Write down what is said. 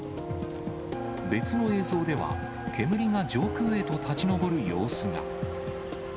別の映像では、煙が上空へと立ち上る様子が。